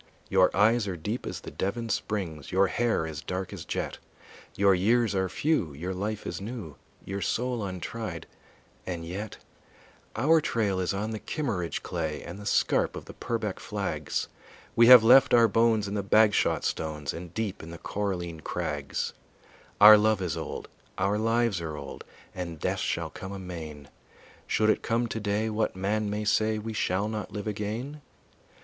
Your eyes are deep as the Devon springs, Your hair is dark as jet, Your years are few, your life is new, Your soul untried, and yet Our trail is on the Kimmeridge clay And the scarp of the Purbeck flags; We have left our bones in the Bagshot stones And deep in the Coralline crags; Our love is old, our lives are old, And death shall come amain; Should it come today, what man may say We shall not live again?